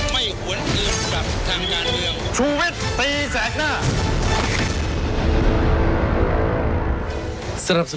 ไม่หวนเกินกับทางงานเดียว